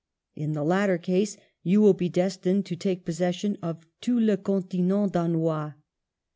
In the latter case you will be destined to take possession of * tout le continent Danois.'